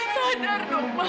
sadar dong ma